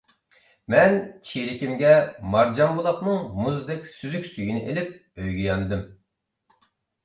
مەن چېلىكىمگە مارجانبۇلاقنىڭ مۇزدەك سۈزۈك سۈيىنى ئېلىپ ئۆيگە ياندىم.